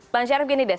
bang syarif gini deh